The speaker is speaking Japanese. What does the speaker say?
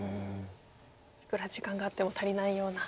いくら時間があっても足りないような。